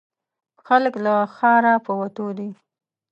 خلک له ښاره په وتو دي.